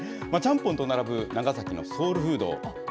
ちゃんぽんと並ぶ、長崎のソウルフード。